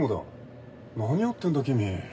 何やってんだ君。